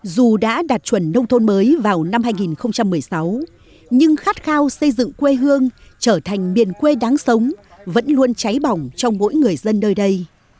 dù đã đạt chuẩn nông thôn mới vào năm hai nghìn một mươi sáu nhưng khát khao xây dựng quê hương trở thành miền quê đáng sống vẫn luôn cháy bỏng trong mỗi người dân nơi đây